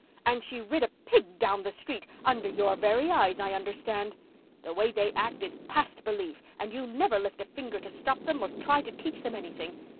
And she rid a pig down the street—under your very eyes I understand. The way they act is past belief and you never lift a finger to stop them or try to teach them anything.